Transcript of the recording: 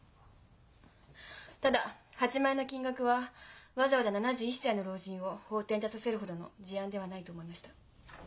ただ８万円の金額はわざわざ７１歳の老人を法廷に立たせるほどの事案ではないと思いました。